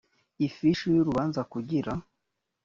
ifishi y urubanza kugira